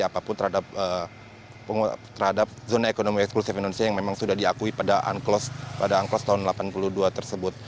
apapun terhadap zona ekonomi eksklusif indonesia yang memang sudah diakui pada unclos tahun seribu sembilan ratus delapan puluh dua tersebut